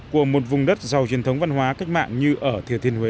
của một vùng đất giàu truyền thống văn hóa cách mạng như ở thừa thiên huế